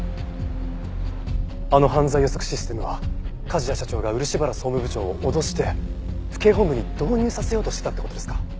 あの犯罪予測システムは梶谷社長が漆原総務部長を脅して府警本部に導入させようとしてたって事ですか？